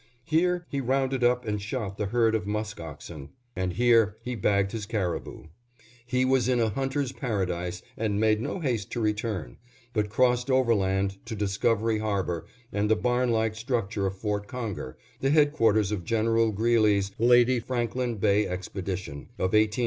Here he rounded up and shot the herd of musk oxen, and here he bagged his caribou. He was in a hunter's paradise and made no haste to return, but crossed overland to Discovery Harbor and the barn like structure of Fort Conger, the headquarters of General Greely's "Lady Franklin Bay Expedition" of 1882 1883.